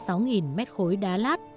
và hơn một mét khối đá lát